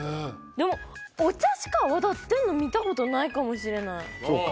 でもお茶しか泡立ってるの見たことないかもしれないそうか